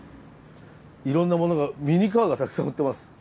いろんなものがミニカーがたくさん売ってます。